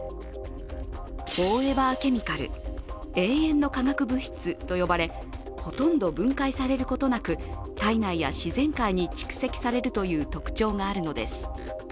フォーエバーケミカル＝永遠の化学物質と呼ばれ、ほとんど分解されることなく体内や自然界に蓄積されるという特徴があるのです。